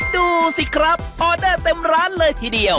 ดูสิครับออเดอร์เต็มร้านเลยทีเดียว